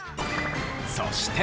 そして。